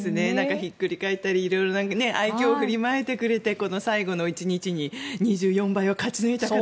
ひっくり返ったり色々、愛きょうを振りまいてくれてこの最後の１日に２４倍を勝ち抜いた方たち。